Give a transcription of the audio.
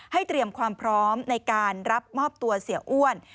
เตรียมความพร้อมในการรับมอบตัวเสียอ้วน